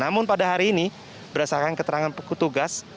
namun pada hari ini berdasarkan keterangan petugas